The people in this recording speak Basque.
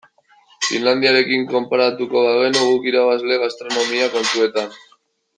Finlandiarekin konparatuko bagenu guk irabazle gastronomia kontuetan.